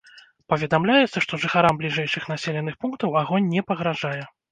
Паведамляецца, што жыхарам бліжэйшых населеных пунктаў агонь не пагражае.